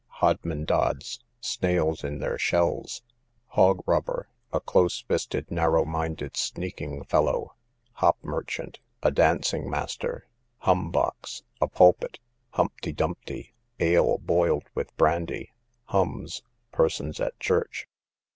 Hodmendods, snails in their shells. Hoggrubber, a close fisted, narrow minded, sneaking fellow. Hop merchant, a dancing master. Hum box, a pulpit. Humpty dumpty, ale boiled with brandy. Hums, persons at church.